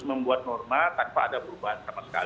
membuat norma takpa ada perubahan